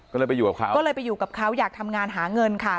ก็เลยไปอยู่กับเขาก็เลยไปอยู่กับเขาอยากทำงานหาเงินค่ะ